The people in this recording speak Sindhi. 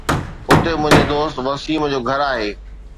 اتي منهنجي دوست وسيم جو گهر آهي